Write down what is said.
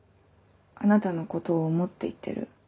「あなたのことを思って言ってる」。